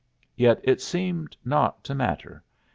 Yet it seemed not to matter.